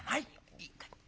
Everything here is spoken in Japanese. いいかい？